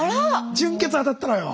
準決当たったのよ。